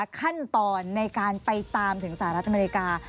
ขั้นตอนในการไปตามถึงสหรัฐอเมริกา